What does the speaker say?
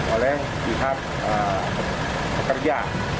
oleh pihak pekerja